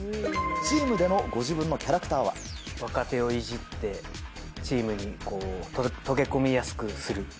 チームでのご自分のキャラク若手をいじって、チームに溶け込みやすくする。